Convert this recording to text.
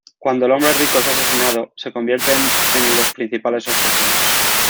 Cuando el hombre rico es asesinado, se convierten en los principales sospechosos.